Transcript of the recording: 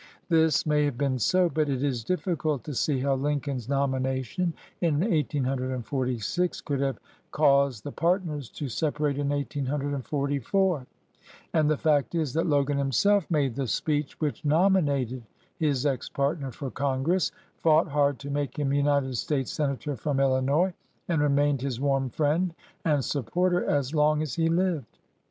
This may have been so, but it is difficult to see how Lincoln's nomination in 1846 could have caused the partners to separate in 1844, and the fact is that Logan himself made the speech which nominated his ex partner for Congress, fought hard to make him United States senator from Illinois, and remained his warm friend and sup porter as long as he lived.